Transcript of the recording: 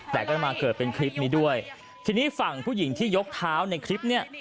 แต่ก็จะมาเกิดเป็นคลิปนี้ด้วยทีนี้ฝั่งผู้หญิงที่ยกเท้าในคลิปเนี่ย